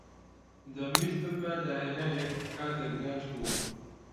دەمویست ببمە داھێنەرێک کاتێک گەنج بووم.